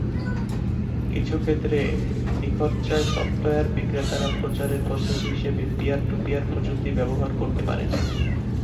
কিছু ক্ষেত্রে, নিখরচায় সফ্টওয়্যার বিক্রেতারা প্রচারের পদ্ধতি হিসাবে পিয়ার-টু-পিয়ার প্রযুক্তি ব্যবহার করতে পারেন।